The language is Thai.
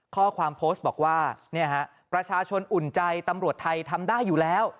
ข้อความโพสต์บอกว่าประชาชนอุ่นใจตำรวจไทยทำได้อยู่แล้ว